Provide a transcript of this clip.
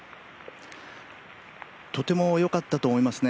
とても良かったと思いますね。